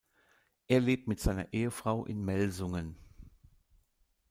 Er lebt mit seiner Ehefrau in Melsungen.